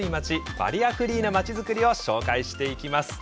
バリアフリーな町づくりを紹介していきます。